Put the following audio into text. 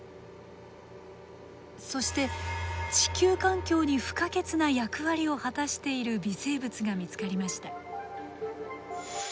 そして地球環境に不可欠な役割を果たしている微生物が見つかりました。